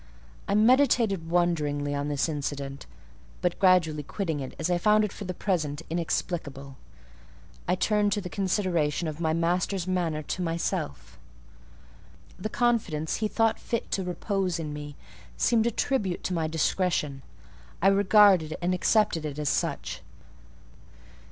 I meditated wonderingly on this incident; but gradually quitting it, as I found it for the present inexplicable, I turned to the consideration of my master's manner to myself. The confidence he had thought fit to repose in me seemed a tribute to my discretion: I regarded and accepted it as such.